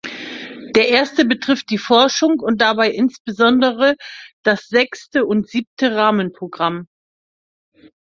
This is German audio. Der erste betrifft die Forschung und dabei insbesondere das Sechste und Siebte Rahmenprogramm.